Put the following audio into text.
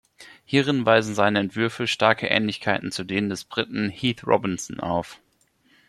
Hierin weisen seine Entwürfe starke Ähnlichkeiten zu denen des Briten Heath Robinson auf.